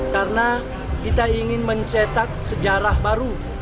karena kita ingin mencetak sejarah baru